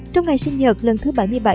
trong ngày sinh nhật lần thứ bảy mươi bảy